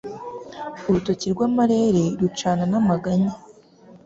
urutoki rwa marere rucana n'amaganya